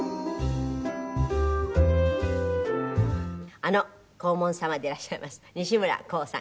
あの黄門様でいらっしゃいます西村晃さん。